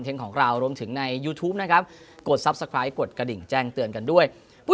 ซึ่งตั้งทีมก็รู้มาตลอดอะนะครับ